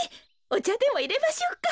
おちゃでもいれましょうか。